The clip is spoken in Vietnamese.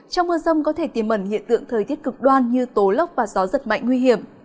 trong mưa rông có thể tìm ẩn hiện tượng thời tiết cực đoan như tố lóc và gió giật mạnh nguy hiểm